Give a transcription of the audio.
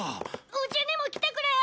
うちにも来てくれよ！